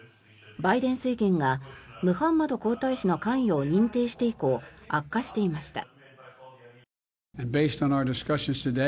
バイデン政権がムハンマド皇太子の関与を認定して以降悪化していました。